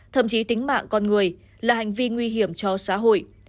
thậm chí tính mạng con người là hành vi nguy hiểm cho xã hội